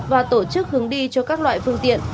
và tổ chức hướng đi cho các loại phương tiện